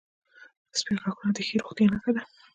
• سپین غاښونه د ښې روغتیا نښه ده.